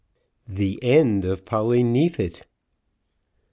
THE END OF POLLY NEEFIT.